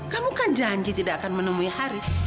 kamu kan janji tidak akan menemui haris